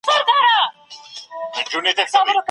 په ادبي څېړنه کي د لیکوالو ژبنی جاج اخیستل کیږي.